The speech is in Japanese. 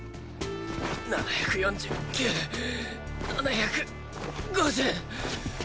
７４９７５０。